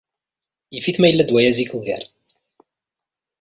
Yif-it ma yella-d waya zik ugar.